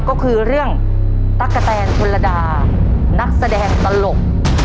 ก็คือเรื่องตั๊กกะแตนชนระดานักแสดงตลก